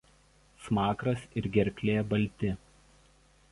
Smakras ir gerklė balti.